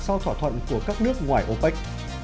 sau thỏa thuận của các nước ngoài opec